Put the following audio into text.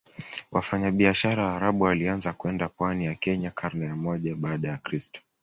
Wafanyabiashara Waarabu walianza kwenda pwani ya Kenya karne ya moja baada ya kristo